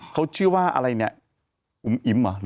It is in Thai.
เขาชื่อว่าอะไรเนี่ยอุ๋มอิ๋มเหรอ